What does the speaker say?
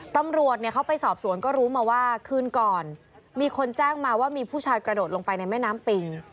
ตำรวจเขาไปสอบสวนก็รู้มาว่าคืนก่อนมีคนแจ้งมาว่ามีผู้ชายกระโดดลงไปในแม่น้ำปิง